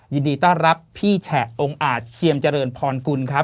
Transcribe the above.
ยินดีต้อนรับพี่แฉะองค์อาจเจียมเจริญพรกุลครับ